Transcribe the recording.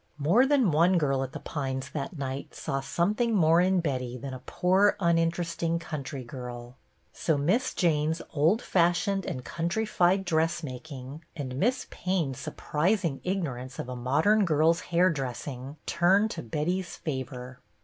More than one girl at The Pines that night saw something more in Betty than a poor, uninteresting country girl. So Miss Jane's old fashioned and countrified dressmaking, and Miss Payne's surprising ignorance of a modern girl's hair dressing, turned to Betty's favor.